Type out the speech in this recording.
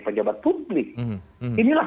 pejabat publik inilah